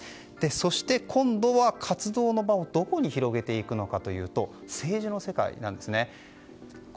そして、今度は活動の場をどこに広げていくのかというと政治の世界なんですね。